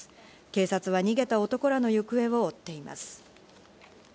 警察は逃げた男らの行方を追っています。